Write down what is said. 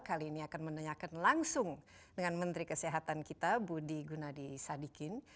kali ini akan menanyakan langsung dengan menteri kesehatan kita budi gunadi sadikin